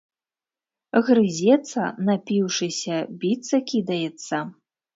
Грызецца, напіўшыся, біцца кідаецца.